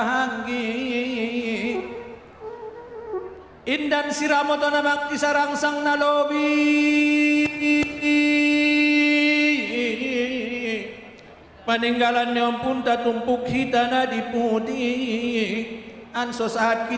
tentang prosesi ini saya ingin mengucapkan kepada anda